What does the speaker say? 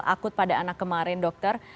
akut pada anak kemarin dokter